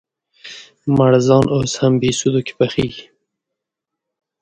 مړزان اوس هم بهسودو کې پخېږي؟